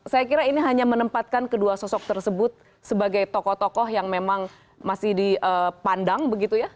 saya kira ini hanya menempatkan kedua sosok tersebut sebagai tokoh tokoh yang memang masih dipandang begitu ya